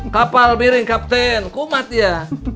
kapal miring kapten kumat ya